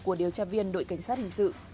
của điều tra viên đội cảnh sát hình sự